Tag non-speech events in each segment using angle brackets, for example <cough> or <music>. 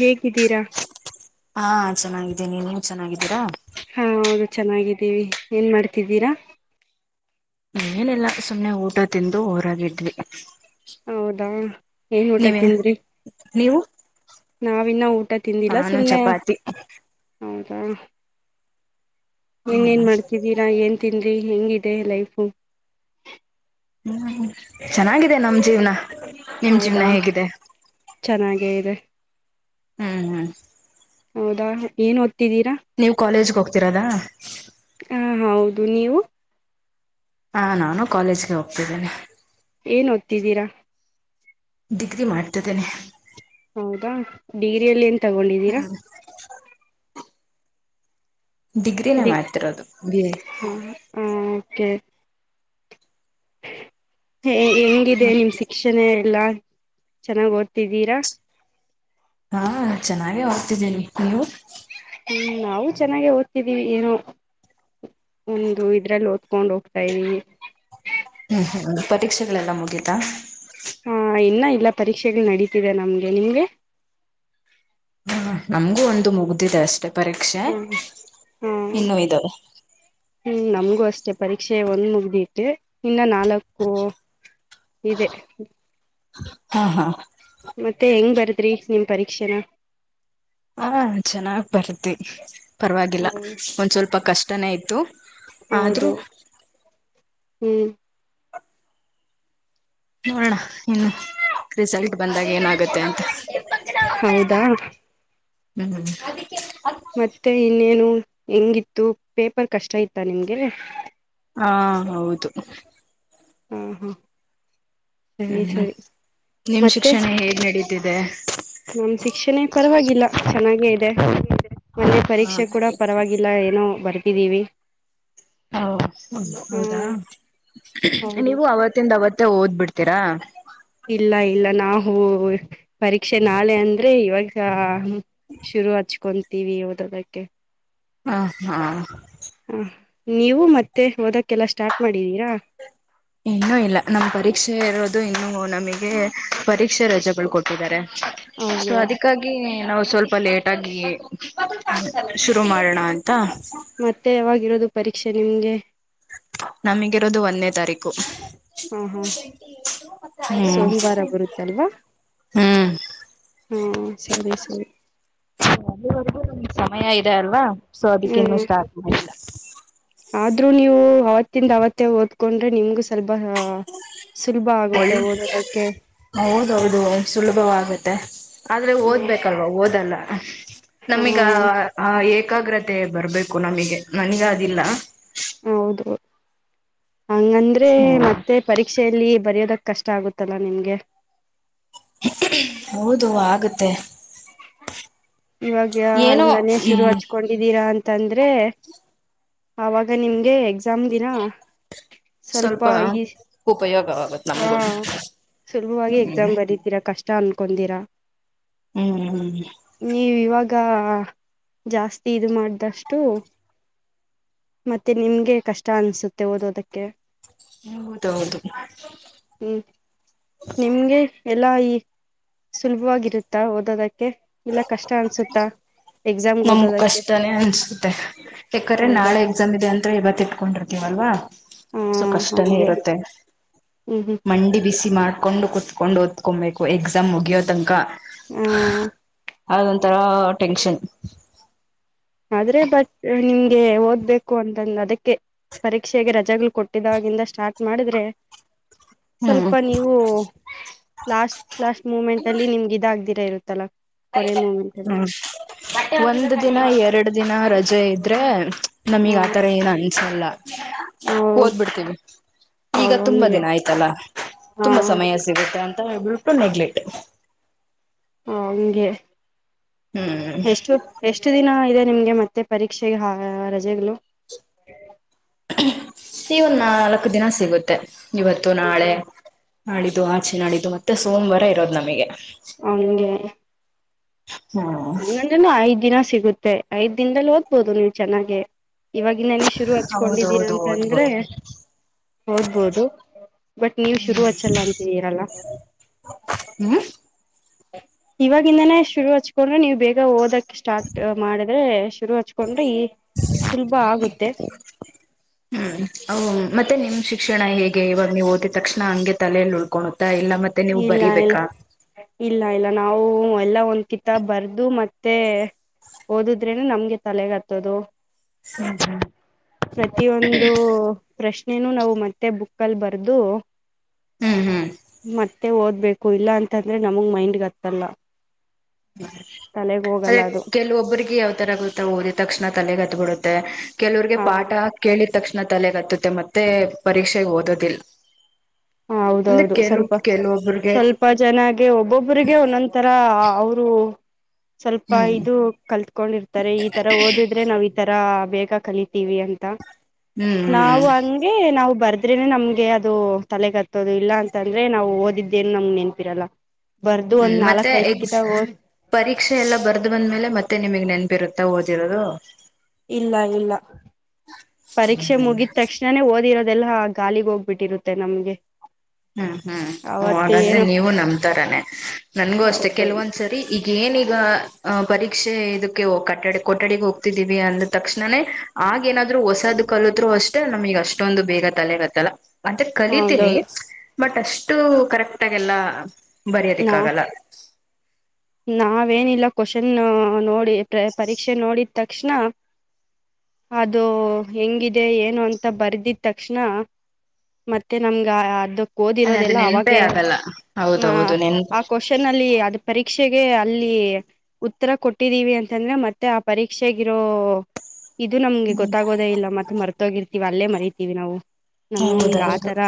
ಹೇಗಿದ್ದೀರಾ ಹಾ ಚೆನ್ನಾಗಿದ್ದೀನಿ ನೀ ಚೆನ್ನಾಗಿದ್ದೀರಾ ಹಾ ಹೌದು ಚೆನ್ನಾಗಿದ್ದೀವಿ ಏನ್ ಮಾಡ್ತಿದ್ದೀರಾ ಏನಿಲ್ಲ ಸುಮ್ಮ್ನೆ ಊಟ ತಿಂದು ರಾಗಿದ್ವಿ ಹೌದಾ ಏನ್ ಊಟ ತಿಂದ್ರಿ ನೀವು ನಾವ್ ಇನ್ನ ಊ ಊಟ ತಿಂದಿಲ್ಲ ನಾನು ಸುಮ್ಮನೆ ಚಪಾತಿ ಹೌದು ಹ ಹ್ಮ್ ಏನ್ೇನ್ ಮಾಡ್ತಿದ್ದೀರಾ ಏನ್ ತಿನ್ರಿ ಹೆಂಗಿದೆ ಲೈಫು ಹ್ಮ ಚೆನ್ನಾಗಿದೆ ನಮ ಜೀವ್ನ ನಿಮ್ ಜೀವ್ನ ಹೌದಾ ಹೇಗಿದೆ <unintelligible> ಹ್ಮ್ ಹ್ಮ್ ಹೌದಾ ಏನ್ ಓದ್ತಿದೀರಾ ನೀವು್ ಕಾಲೇಜಗೆ ಹೋಗ್ತಿೀರದಾ ಹಾ ಹೌದು ನೀವು ಹಾ ನಾನು ಕಾಲೇಜ್ಗೆ ಹೋಗ್ತಿದ್ದೇನೆ ಏನ್ ಓದ್ತಿದ್ದೀರಾ ಡಿಗ್ರಿ ಮಾಡ್ತಿದ್ದೇನೆ ಹೌದಾ ಡಿಗ್ರಿಯಲ್ ಎನ್ ತಗೊಂಡಿದಿರಾ ಡಿಗ್ರಿನೇ ಡಿ ಮಾಡ್ತಿರೋದು ಬಿ ಎ ಕ ಹ ಹೆಂಗಿದೆ ನಿಮ್ಮ ಶಿಕ್ಷಣೆ ಎಲ್ಲಾ ಚೆನ್ನಾಗ್ ಓದತಿದ್ದೀರಾ ಹಾ ಚೆನ್ನಾಗೆ ಹೋಗ್ತಿದ್ದೀನಿ ನೀವು ಹ್ಮ್ ನಾವು ಚೆನ್ನಾಗ ಓದ್ತಿದೀವಿ ಏನೋ ಒಂದು ಇದ್ರಲ್ಲಿ ಓದ್ಕೊಂಡ್ ಹೋಗ್ತಾ ಇದ್ದೀವಿ ಹ್ಮ್ ಹ್ಮ ಪರೀಕ್ಷೆ ೆಲ್ಲ ಮುಗೀಿತಾ ಎಲ್ಲ ಪರೀಕ್ಷೆಗಳು ನಡೀತಿದೆ ನಮ್ಗೆ ನಿಮ್ಗೆ ಹ ನಮ್ಗೂ ಒಂದು ಮುಗ್ದಿದೆ ಅಷ್ಟೆ ಪರೀಕ್ಷೆ ಹ್ಮ ಹಾ ಇನ್ನು ಇದಾವೆ ಹ್ಮ್ ನಮಗೂ ಅಷ್ಟೇ ಪರೀಕ್ಷೆ ದೆ ಒಂದ್ ಮುಗ್ದಿತೆ ಇನ್ನ ನಾಲ್ಕು ಇದೆ ಹಾ ಹಾ ಮತ್ತೆ ಹೆಂಗ್ ಬರುತ್ ರಿ ನಿಮ್ ಪರೀಕ್ಷೆನಾ ಹಾ ಚೆನ್ನಾಗ್ ಬರ್ತಿ ಪರವಾಗಿಲ್ಲ ಒಂದ್ ಸ್ವಲ್ಪ ಕಷ್ಟನೇ ಇತ್ತು ಆದ್ರೂ ಹೌದು ಹ್ಮ್ ನೋಡಣ ಇನ್ನು ರಿಸಲ್ಟ್ ಬಂದಾಗ ಏನಾಗುತ್ತೆ ಅಂತ ಹೌದಾ ಹ್ಮ್ ಹ್ಮದ ಮತ್ತೆ ಇನ್ನೇನು ಹೆಂಗಿತ್ತು ಪೇಪರ್ ಕಷ್ಟ ಇತ್ತ ನಿಮ್ಗೆ ಹಾ ಹೌದು ಹಾ ಹಾ ಸರಿ ಹ್ಮ ಸರಿ ನಿಮ ಶಿಕ್ಷಣ ಹೇಗ್ ನಡೀ ಬಿಟ್ಟಿದೆ ನಮ ಶಿಕ್ಷಣೆ ಪರವಾಗಿಲ್ಲ ಚೆನ್ನಾಗೇ ಇದೆ ಮೊನ್ನೆ ಪರೀಕ್ಷೆ ಕೂಡ ಹ ಪರವಾಗಿಲ್ಲ ಏನೋ ಬರ್ ಟ್ಟಿದ್ದೀವಿ ಹ ಹೌದಾ ಹೌದು ನೀವು ಅವತ್ತಿಂದ ಅವತ್ತೇ ಓದ್ಬಿಡ್ತೀರಾ ಇಲ್ಲ ಇಲ್ಲ ನಾವು ಪರೀ ಪಕ್ಷೆ ನಾಳೆ ಅಂದ್ರೆ ಇವಾಗ ಚ ಶುರು ಹಚ್ಚಿಕೊಂಡು ತಿವಿ ತಕ್ಕೆ ಹಾ ಹಾ ಹ ನೀವು ಮತ್ತೆ ಓದಕ್ಕೆಲ್ಲ ಸ್ಟಾರ್ಟ್ ಮಾಡಿದೀರಾ ಇನ್ನುೂ ಇಲ್ಲ ನಮ ಪರೀಕ್ಷೆ ಇರೋದು ಇನ್ನುೂ ನಮಗೆ ಪರೀಕ್ಷೆ ರಜೆಗಳು ಕೊಟ್ಟಿದ್ದಾರೆ ಸೊ ಹೌದು ಅದಕ್ಕಾಗಿ ನಾವು ಸ್ವಲ್ಪ ಲೇಟಗಿ ಶುರು ಮಾಡೋಣ ಅ ಮತ್ತೆ ಆವಾಗಿರೋದು ಪರೀಕ್ಷೆ ನಿಮ್ಗೆ ನಮಗಿರೋದು ಒಂದೇ ತಾರೀಕು ಹಾ ಹಾ ಹ್ಮ್ ಸೋಮವಾರ ಬರುತ್ತಲ್ವಾ ಹ್ಮ್ ಹಾ ಸರಿ ಸರಿ ಅಲ್ಲಿವರೆಗೂ ನಮ್ಗ್ ಸಮಯ ಇದೆ ಅಲ್ವಾ ಸ್ವಾಧೂ ಹ್ಮ್ ಸ್ಟಾರ್ಟ ಮಾಡಲ್ಲ ಆದ್ರು ನೀವು ಅವತ್ತಿಂದ ಅವತ್ತೇ ಓದ್ಕೊಂಡ್ರೆ ನಿಮ್ಗು ಸ್ವಲ್ಪ ಸುಲಭ ಆಗುತ್ತೆ ಒಳ್ಳ ಓದೋದಕ್ಕೆ ಹೌದೌದು ಸುಲಭವಾಗುತ್ತೆ ತ್ತೆ ಆದ್ರೆ ಹ ಓದ್ಬೇಕಲ್ವಾ ಓದಲ್ಲ ಹಾ ನಮಗ ಏಕಾಗ್ರತೆ ಬರ್ಬೇಕು ನಮಗೆ ನನ್ಗ ಅದಿಲ್ಲ ಹೌದು ಹಂಗಂದ್ರೆ ಮತ್ತೆ ಪರೀಕ್ಷೆಯಲ್ಲಿ ಬರೋದ ಕಷ್ಟ ಆಗುತ್ತಲ್ಲಾ ನಿಮ್ಗೆ ಹೌದು ಆಗುತ್ತೆ ಇವಾಗ ಇಲ್ಲನೇ ಈ ಶುರು ಹಚ್ಕೊಂಡಿದ್ದೀರಾ ಅಂತ ಅಂತಂದ್ರೆ ಅವಾಗ ನಿಮ್ಗೆ ಎಕ್ಸಾಮ್ ದಿನಾ ಸ್ವಲ್ಪ. ಉಪಯೋಗವಾಗುತ್ತೆ ಹಾ ನಮಗು ಸುಲಭವಾಗಿ ಹ್ಮ್ ಎಕ್ಸಾಮ್ ಬರಿದ್ದೀರಾ ಕಷ್ಟ ಅನ್. ಕೊಂದಿರ. ಹ್ಮ್ ನೀವು ಇವಾಗ. ಈಗ ಜಾಸ್ತಿ ಇದು ಮಾಡ್ದಷ್ಟು ಮತ್ತೆ ನಿಮ್ಗೆ ಕಷ್ಟ ಅನ್ಸುತ್ತೆ ಓದೋದಕ್ಕೆ. ಹೌದೌದು. ಹ್ಮ್ ನಿಮ್ಗೆ. ಎಲಾಯಿ. ಸುಲಭವಾಗಿರುತ್ತಾ ಓದೋದ. ಇಲ್ಲ ಕಷ್ಟ ಅನ್ಸುತ್ತಾ. ಎಕ್ಸಾಮ್ಗೆ ನಮ್ಗು ಓದೋದಕ್ಕೆ ಕಷ್ಟನೇ ಅನ್ಸುತ್ತೆ ಯಾಕ್ರೆ ಹೌದಾ ನಾಳೆ ಎಕ್ಸಾಮ್ ಇದೆ ಅಂದ್ರೆ ಇವತ್ ಇಟ್ಕೊಂಡಿರ್ತೀವಲ್ವಾ. ಹ ಸೊ ಕಷ್ಟನೇ ಹಂಗೆ ಇರುತ್ತೆ ಹ್ಮ್ ಹ್ಮ್ ಮಂಡಿ ಬಿಸಿ. ಿ ಮಾಡ್ಿಕೊಂಡು ಕುೂತ್ಕೊಂಡು ಓದ್ಕೊಬೇಕುಕ್ಸಾಮ್ ಮುಗಿಯೋ ತನಕ. ಹ್ಮ. ಅದ ಒಂಥರ ಟೆನ್ಷನ್. ಆದ್ರೆ ಬಟ್ ನಿಮ್ಗೆ ಓದ್ಬೇಕು ಅಂತಂದು ಅದಕ್ಕೆ ಪರೀಕ್ಷೆಗೆ ರಜೆಗಳು ಕೊಟ್ಟಿದಾಗಿಂದ ಸ್ಟಾರ್ಟ್ ಮಾಡಿದ್ರೆ. ಹ್ಮ್ ಸ್ವಲ್ಪ ನೀವು ಲಾಸ್ಟ್ ಲಾಸ್ಟ್ ಮೂಮೆಂಟ್ ಅಲ್ಲಿ ನಿಮ್ಗೆ ಇದಾಗ್ದಿರಾ ಇರುತ್ತೆ. ತಲಾ. ಹ್ಮ್ ಒಂದು ದಿನ ಹ ಎರಡು ದಿನ ರಜೆ ಇದ್ರೆ. ನಮಗ್ ಆತರ ಏನು ಅನ್ಸಲ್ಲ ಹ ಓದ್ಬಿಡ್ತೀವಿ ಈಗ ತುಂಬಾ ಹಂಗೆ ದಿನ ಆಯ್ತಲ್ಲ ಹಾ ತುಂಬಾ ಸಮಯ ಸಿಗುತ್ತೆ ಅ. ಒಬಟ್ಟು ನೆಗ್ಲೆಕ್ಟ್. ಹಾ ಹಂಗಗೆ. ಹ್ಮ್ ಎಷ್ಟು ಎಷ್ಟು ದಿನ ಇದೆ. ನಿಮ್ಗೆ ಮತ್ತೆ ಪರೀಕ್ಷೆಗೆ ರಜೆಗಳು. ಈವನ್ನ ನಾಲ್ಕು ದಿನ ಸಿಗುತ್ತೆ. ಇವತ್ತು ನಾಳೆ. ನಾಡಿದ್ದು ಆಚೆ ನಾಡಿದ್ದು ಮತ್ತೆ ಸೋಮವಾರ ಇರೋದು ನಮಗೆ. ಹಗೆ. ಹ್ಮ್ ಹಂಗಂದ್ರನು ಐದ್ ದಿನ. ಸಿಗುತ್ತೆ ಐದ್ ದಿನದಲ್ಲಿ ಓದ್ಬೋುದು ನೀವು ಚೆನ್ನಾಗೆ. ಇವಾಗಿಂದನೇ ಶುರು ಹಚ್ಕೊಂಡಿದ್ದೀರ ಹೌದೌದು ಅಂತಂದ್ರೆ ಓದ್ಬೋದು ಹೋದ್ಬೋದು ಬಟ್ ನೀವ ಶುರು ಹಚ್ಚಲ್ಲ ಅಂತಿದೀರಲ್ಲ. ಹ್ಮ್ ಇವಾಗಿವಾಗಿಂದಾನೇ ಶುರು ಹಚ್ಕೊಂಡ್ರೆ ನೀವು್ ಬೇಗ ಓದಕ್. ಸ್ಟಾರ್ಟ್ ಮಾಡಿದ್ರೆ ಶುರು ಹಚ್ಕೊಂಡ್ರೆ ಈ ಸುಲಭ ಆಗುತ್ತೆ. ಹ್ಮ್ ಅವು ಮತ್ತೆ ನಿಮ್ಮ್ ಶಿಕ್ಷಣ ಹೇಗೆ ಇವಾಗ ನೀವು ಓದಿದ ತಕ್ಷಣ ಹಂಗೆ ತಲೆಯಲ್ಲಿ ಉಳ್ಕೊನೋತ್ ಇಲ್ಲ ಇಲ್ಲ ಇಲ್ಲ ಇಲ್ಲ ನಾವು ಎಲ್ಲ ಒಂದ್ ಕಿತಾ ಬರ್ದು ಮತ್ತೆ ಓದಿದ್ರೇನೆ ನಮ್ಗೆ ತಲೆಗತ್ತದು ಪ್ರತಿಯೊಂದು ಪ್ರಶ್ ಏನು ನಾವು ಮತ್ತೆ ಬುಕ್ಕಲ್ಲಿ ಬರದು ಹ್ಮ್ ಹ್ಮ್ ಮತ್ತೆ ಓದ್ಬೇಕು ಇಲ್ಲ ಅಂತಂದ್ರೆ ನಮಗೆ ಮೈಂಡ್ ಗತ್ತಲ್ಲ ಅದೇ ಕೆಲವೊಬ್ಬ್ರರಿಗೆ ಯಾವ್ ತರ ಗೊತ್ತಾ ಓದಿದ ತಕ್ಷಣ ತಲೆಗತ್ಬಡುತ್ತ ಹ <unintelligible> ಕೆಲವರಿಗೆ ಹಾ ಪಾಠ ಕೇಳಿದ ತಕ್ಷಣ ನ ತಲೆಗತ್ತುತ್ತೆ ಮತ್ತೆ ಪರೀಕ್ಷೆಗೆ ಓದೋದಿಲ್ಲ ಹ ಅಂದ್ರೆ ಹೌದೌದು ಕೆಲವು ಸ್ವಲ್ಪ ಕೆಲವೊಬ್ಬ್ರಿಗೆ ಸ್ವಲ್ಪ ಜನಾಗ ಒಬ್ಬೊಬರಿಗೆ ಒಂದೊಂದ್ ತರ ಅವರು ಸ್ವಲ್ಪ ಹ್ಮ್ ಇದು ಕಲ್ತ್ಕೊಂಡಿರ್ತಾರೆ ಈ ತರ ಓದಿದ್ರೆ ನಾವ್ ಈ ತರ ಬೇಗ ಕಲಿತೀವಿ ಅಂತ ಹ್ಮ್ ನಾವು ಹ್ಮ್ ಹಂಗೆ ನಾವು ಬರ್ದ ಆದ್ರೇ ನಮ್ಗೆ ಅದು ತಲೆಗತ್ತೋದು ಇಲ್ಲ ಅಂತ ಅಂದ್ರೆ ನಾವು ಓದಿದ್ದೇನ್ ನಮ್ಗೆ ನೆನ್ಪಿರಲ್ಲ ಬರ್ದು ಒಂದ್ ಹ್ಮ್ ಮತ್ತೆ ಎ ನಾಲ್ಕೈದ್ ಕಿತ ಓದ್ ಪರೀಕ್ಷೆ ಎಲ್ಲ ಬರ್ದು ಬಂದ್ಮೇಲೆ ಮತ್ತೆ ನಿಮಗ್ ನೆನ್ಪಿರು <unintelligible> ಓದಿರೋದು ಇಲ್ಲ ಇಲ್ಲ ಪರೀಕ್ಷೆ ಮುಗಿದ ತಕ್ಷಣನೇ ಓದಿರೋದು ಅದೆಲ್ಲ ಗಾಲಿಗೆ ಹೋಗ್ಬಿಟ್ಟಿರುತ್ತೆ ನಮ್ಗೆ ಹ್ಮ್ ಹ್ಮ್ ಅವತ್ತ ಹಾಗಾದ್ರೆ ಏನು ನೀವು ನಮತಾರನೆ ನನ್ಗೂ ಅಷ್ಟೆ ಹೌದೌದು ಕೆಲವೊಂದ್ಸರಿ ಈಗ ಏನೀಗ ಅಹ ಪರೀಕ್ಷೆ ಇದಕ್ಕೆ ಕಟ್ಟಡ ಕೊಠಡಿಗೆ ಹೋಗ್ತಿದ್ದೀವಿ ಅಂದ ತಕ್ಷಣನೇ ಆಗೇನಾದ್ರು ಹೊಸಾದ ಕಲುತೃ ಅಷ್ಟೇ ನಮಗ್ ಅಷ್ಟೊಂದು ಬೇಗ ತಲೆಗತ್ತಲ್ಲ ಮತ್ತೆ <unintelligible> ಕಲಿತೀನಿ ಹೌದೌದು ಬಟ್ ಅಷ್ಟು ಕರೆಕ್ಟ್ ಆಗೆಲ್ಲ ಬರಿಯೋದಿಕ್ಕ ನಾ ಆಗಲ್ಲ ನಾವೇನಿಲ್ಲ ಕ್ವನ್ ನೋಡ್ <unintelligible> ಪರೀಕ್ಷೆ ನೋಡಿ ತಕ್ಷಣ ಅದು ಹೆಂಗಿದೆ ಏನು ಅಂತ ಬರ್ದಿದ ತಕ್ಷಣ ಮತ್ತೆ ನಮ್ಗ ಅದು ಅದ ಅದು ಓದಿರೋದೆಲ್ಲ ನೆನ್ಪೇ ಅವಾಗೆ ಆಗಲ್ಲ ಮ ಹೌದೌದು ನೆನ್ಪ ಅ ಕ್ವೆಶ್ಚನ್ ಅಲ್ಲಿ ಅದ ಪರೀಕ್ಷ ಪರೀಕ್ಷೆಗೆ ಅಲ್ಲಿ ಉತ್ತರ ಕೊಟ್ಟಿದ್ದೀವಿ ಅಂತಂದ್ರೆ ಮತ್ತೆ ಆ ಪರೀಕ್ಷೆಗಿರೋ ಇದು ನಮ್ಗೆ ಹ್ಮ್ ಗೊತ್ತಾಗೋದೇ ಇಲ್ಲ ಮತ್ತೆ ಮರ್ತೋಗಿರ್ತೀವಿ ಅಲ್ಲೇ ಮರತೀವಿ ನಾವು ನಮ್ಗ್ ಹೌದೌದು ಆತರ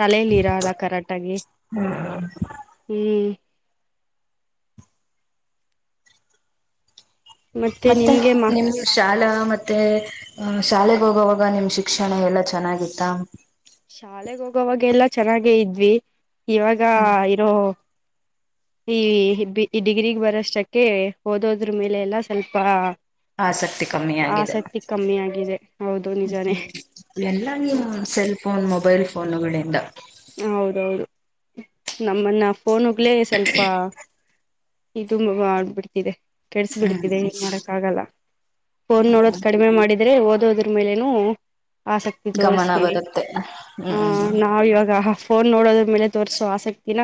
ತಲೆಲಿ ಇರಲ್ಲ ಕರೆಕ್ಟ್ ಆಗಿ ಹ್ಮ್ ಹ್ಮ್ ಮತ್ತೆ ನಿಮ್ಗೆ ಮಾ ನಿಮ್ ಶಾಲಾ ಮತ್ತೆ ಶಾಲೆೆಗೆ ಹೋಗೋವಾಗ ನಿಮ್ ಶಿಕ್ಷಣ ಎಲ್ಲಾ ಚೆನ್ನಾಗಿತ್ತ ಶಾಲೆೆಗೆ ಹೋಗೋವಾಗೆಲ್ಲ ಚೆನ್ನಾಗೆ ಇದ್ವಿ ಇವಾಗ ಇರೋ ಈ ಈ ಡಿಗ್ರಿಗ್ ಬರಷ್ಟಕ್ಕೆ ಓದೋದ್ರ ಮೇಲೆ ಎಲ್ಲ ಸ್ವಲ್ಪ ಆಸಕ್ತಿ ಕಮ್ಮಿ ಆಗಾಗಿದೆ ಆಸಕ್ತಿ ಕಮ್ಮಿ ಆಗಿದೆ ಹೌದು ನಿಜಾನೇ ಎಲ್ಲ ನೀ ಸೆಲ್ಫೋನ್ ಮೊಬೈಲ್ ಫೋನುಗಳಿಂದ ಹೌದೌದು ನಮ್ಮನ್ನ ಪನುಕ್ಲೇ ಸ್ವಲ್ಪ ಇದು ಆಬಿಡ್ತಿದೆ ಕೆಡಸಿ ಹ್ಮ್ ಬಿಡ್ತಿದೆ ಏನ್ ಮಾಡಕ್ ಆಾಗಲ್ಲ ಫೋನ್ ನೋಡೋದು ಕಡಿಮೆ ಮಾಡಿದ ಆದ್ರೆ ಓದೋದ್ರ ಮೇಲೆೇನು ಆಸಕ್ತಿ ಗಮನ ತೋರಿಸ್ತೀವಿ ಬರುತ್ತೆ ಆಹ ಹ್ಮ್ ನಾವ ಇವಾಗ ೋನ್ ನೋದ್ರೇಲೆ ತೋರಿಸಿ ೊ ಆಸಕ್ತಿನ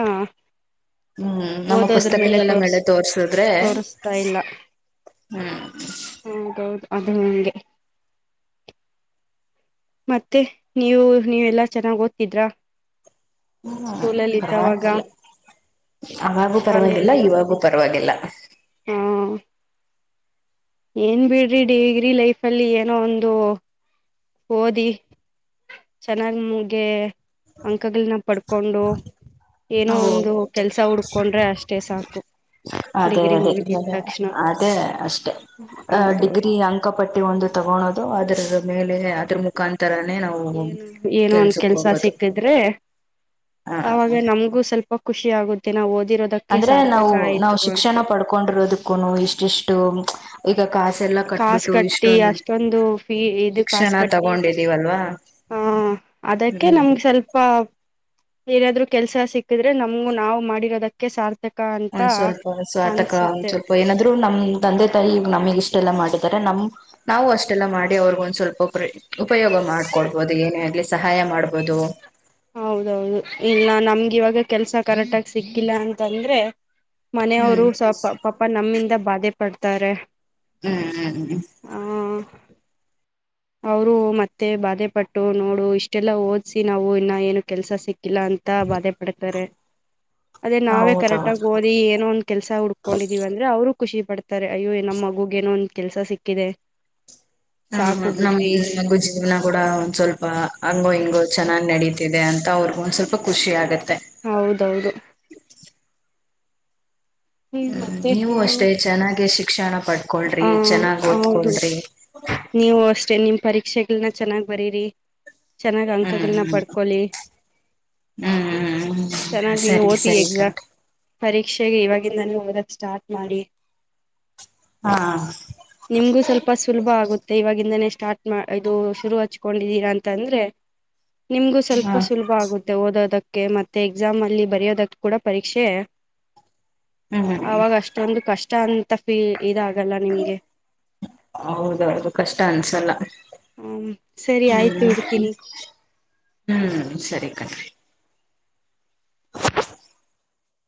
ಹ್ಮ್ ನಮ್ಮ ಓದೋದ್ರ ಮೇಲೆ ಪುಸ್ತಕಗಳಲ್ಲ ತೋರ್ಸ್ ಮೇಲೆೆ ತೋರ್ಸುದ್ರೆ ತೋರಿಸ್ತಾ ಹ್ಮ್ ಹೌದು ಅದು ಹಂಗೆ ಮತ್ತೆ ನೀವು ನೀವೆಲ್ಲಾ ಚೆನ್ನಾಗ್ ಓದ್ತಿದ್ರ ಹ್ಮ ಪರಲ್ಲ ಅವಾಗೂ ಪರವಾಗಿಲ್ಲ ಶಾಲೆಯಲ್ಲಿ ಇವಾಗೂ ಪರವಾಗಿಲ್ಲ ಹಾ ಏನ್ ಬಿಡ್ರಿ ಡಿಗ್ರಿ ಲೈಫ್ ಅಲ್ಲಿ ಏನೋ ಒಂದು ಓದಿ ಚೆನ್ನಾಗ್ ಮುಗೆ ಅಂಕಗಳನ ಪಡ್ಕ ಹಕೊಂಡು ಏನೋ ಒಂದು ಹೌದು ಕೆಲ್ಸ ಹುಡ್ಕೊಂಡ್ರೆ ಅಷ್ಟೇ ಸಾಕು ಅದೇ ಡಿಗ್ರಿ ಅದೇ ಮುಗಿದಿದ ತಕ್ಷಣ ಅದೇ ಅಷ್ಟೇ ಅ ಹೌದೌದು ಡಿಗ್ರಿ ಅಂಕ ಪಟ್ಟಿ ಒಂದು ತಗಳೋದು ಅದ್ರ ಮೇಲೆ ಅದ್ರ ಮುಖಾಂತರ ಏನು ಏನೋ ಒಂದ ಕೆಲ್ಸ ಹೋಗೋದು ಸಿಕ್ಕಿದ್ರೆ ಹ ಅವಾಗ ನಮ್ಗೂ ಸ್ವಲ್ಪ ಖುಿ ಆಗುತ್ತ ನಾವು ಓದಿರೋದಕ್ಕೆ ಅಂದ್ರೆ ನಾವು ಸಾರ್ಥಕ ನಾವ್ ಆಯ್ತು ಅಂತ ಶಿಕ್ಷಣ ಪಡ್ಕೊಂಡಿರೋದಕ್ಕೂನು ಇಷ್ಟಿಷ್ಟು ಈಗ ಕಾಸೆಲ್ಲಾ ಕಾಸು ಕಟ್ಬಿಟ್ಟು ಕಟ್ಟಿ ಇಷ್ಟೊಂದು ಅಷ್ಟೊಂದು ಫೀ ಇದು ಶಿಕ್ಷಣ ಕಾಸು ಕಟ್ಟಿ ತಗೊಂಡಿದೀವಲ್ವಾ ಹಹ ಅದಕ್ಕೆ ಹ್ಮ್ ನಮ್ಗೆ ಸ್ವಲ್ಪ ಏನಾದ್ರು ಕೆಲ್ಸ ಸಿಕ್ಕಿದ್ರೆ ನಮಗು ನಾ್ ಮಾಡಿರೋದಕ್ಕೆ ಸಾರ್ಥಕ ಅಂತ ಒಂದ್ ಸ್ವಲ್ಪ ಆಟಕ ಒಂದ್ ಅನ್ಸುತ್ತೆ ಸ್ವಲ್ಪ ಏನಾದ್ ನಮ್ ತಂದೆ ತಾಯಿ ನಮಗ್ ಇಷ್ಟೆಲ್ಲಾ ಮಾಡಿದ್ದಾರೆ ನಮ ನಾವು ಅಷ್ಟೆಲ್ಲ ಮಾಡಿ ಅವ್ರಗ ಒಂದ ಸ್ವಲ್ಪ ಉಪಯೋಗ ಮಾಡ್ಕೊಡ್ಬಹುದು ಏನೇ ಆಗ್ಲಿ ಸಹಾಯ ಮಾಡ್ಬೋದು ಹೌದೌದು ಇಲ್ಲ ನಮ್ ಇವಾಗ ಕೆಲ್ಸ ಕರೆಕ್ಟ್ ಆಗ ಸಿಕ್ಕಿಲ್ಲ ಅಂತಂದ್ರೆ ಮನೆಯವರು ಹ್ಮ್ ಸ್ವಪ ಪಾಪ ನಮ್ಮಿಂದ ಬಾಧೆ ಪಡ್ತಾರೆ ಹ್ಮ್ ಹ್ಮ್ ಹ್ಮ್ ಆ ಅವರು ಮತ್ತೆ ಬಾಧೆ ಪಟ್ಟು ನೋಡು ಇಷ್ಟೆಲ್ಲಾ ಓದ್ಸಿ ನಾವು ಇನ್ನ ಏನು ಕೆಲ್ಸ ಸಿಕ್ಕಿಲಾ ಇಲ್ಲ ಅಂತ ಬಾಧೆ ಪಡ್ತಾರೆ ಅದೇ ನಾವೇ ಕರೆಕ್ಟ್ ಹೌದೌದು ಆಗ ಓದಿ ಏನೋ ಒಂದ್ ಕೆಲ್ಸ ಹುಡ್ಕೊಂಡಿದಿವಿ ಅಂದ್ರೆ ಅವ್ರರು ಖುಷಿ ಪಡ್ತಾರೆ ಅಯ್ಯೋ ನಮ್ಮ ಮಗುಗೆ ಏನೋ ಒಂದ ಕೆಲ್ಸ ಸಿಕ್ಕಿದೆ ಹ್ಮ ಸಾಕು ಹಾ ನಮ್ ಬಿಡ್ರಿ ನಗು ಜೀವನ ಕೂಡ ಒಂದ್ ಸ್ವಲ್ಪ ಹಂಗೋ ಹಿಂಗೋ ಚೆನ್ನ್ ನಡೀತ್. ಇದೆ ಅಂತ ಅವ್ರಿಗ ಒಂದ್ ಸ್ವಲ್ಪಖಷಿ ಆಗುತ್. ಹೌದೌದು ಹ್ಮ್ ಮತ್ತೆ ನೀವು ಇನ್ನೇನು ಅಷ್ಟೇ ಚೆನ್ನಾಗೆ ಅಕ್ಷಣ ಕಡ್ಕೊಳ್ರಿ ಆ ಚೆನ್ನಾಗ್ ಹೌದು ಓದ್ಕೊಳ್ರಿ ನೀವು ಅಷ್ಟೇ ನಿಮ್ ಪರೀಕ್ಷೆಗಳನ ಚೆನ್ನಾಗ್ ಬರೀರಿ ಚೆನ್ನಾಗಿ ಹ್ಮ್ ಅಂಕಗಳನ್ನ ಪಡ್ಕೊಳ್ಳಿ ಹ್ಮ್ ಹ್ಮ್ ಹ್ಮ್ ಹ್ಮ್ ಚೆನ್ನಾಗಿ ಸರಿ ಓತಿ ಸರಿ ಎಕ್ಸಾಮ್ ಕಣ್ರಿ ಪರೀಕ್ಷ ಶಿಕ್ಷೆಗೆ ಇವಾಗಿಂದಾನ ಓದದ ಸ್ಟಾರ್ಟ್ ಮಾಡಿ ಹಾ ನಿಮ್ಗೂ ಸ್ವಲ್ಪ ಸುಲಭ ಆಗುತ್ತೆ ಇವಾಗಿಂದಾನೇ ಸ್ಟಾರ್ಟ್ ಇದು ಶುರು ಹಚ್ಕೊಂಡಿದ್ದೀರಾ ಅಂತ ಅಂದ್ರೆ ನಿಮ್ಗೂ ಹಾ ಸ್ವಲ್ಪ ಸುಲಭ ಆಗುತ್ತೆ ಓದೋದಕ್ಕೆ ಮತ್ತೆ ಎಕ್ಸಾಮ್ ಅಲ್ಲಿ ಬರೆಯೋದಕ್ಕೆ ಕೂಡ ಪರೀಕ್ಷೆ ಹ್ಮ್ ಅವಾಗ ಅಷ್ಟೊಂದು ಕಷ್ಟ ಅಂತ ಫೀ ಇದಾಗಲ್ಲ ನಿಮ್ಗೆ ಡ್ಯಾನ್ಸ್ ಎಲ್ಲ ಹ್ಮ ಸರಿ ಆಯ್ತು ಇಡ್ತೀನಿ ಹ್ಮ್ ಸರಿ ಕಣ್ರಿ